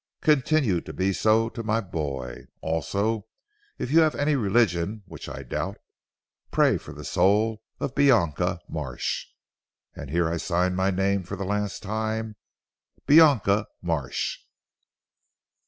Continue to be so to my boy. And also if you have any religion (which I doubt) pray for the soul of Bianca Marsh!" "And here I sign my name for the last time. "BIANCA MARSH."